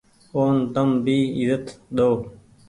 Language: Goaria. اون تم ڀي ايزت ۮئو۔